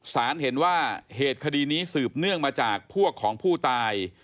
เห็นว่าเหตุคดีนี้สืบเนื่องมาจากพวกของผู้ตาย